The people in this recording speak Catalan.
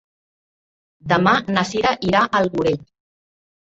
Demà na Sira irà al Morell.